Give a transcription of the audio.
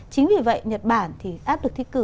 chính vì vậy nhật bản thì áp lực thi cử